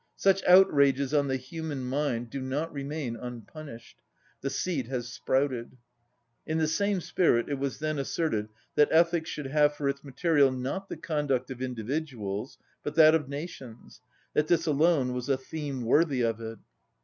Such outrages on the human mind do not remain unpunished: the seed has sprouted. In the same spirit it was then asserted that ethics should have for its material not the conduct of individuals, but that of nations, that this alone was a theme worthy of it.